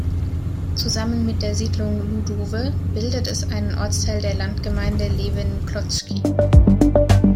Zusammen mit der Siedlung Ludowe bildet es einen Ortsteil der Landgemeinde Lewin Kłodzki.